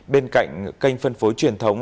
bên cạnh kênh phân phối truyền thống